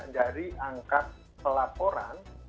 dari angka pelaporan